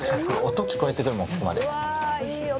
音聞こえてるもんここまで。